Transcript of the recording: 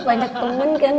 banyak temen kan